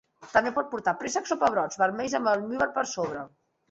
També pot portar préssecs o pebrots vermells amb almívar per sobre.